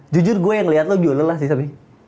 jujur gue yang lihat lo juga lelah sih tapi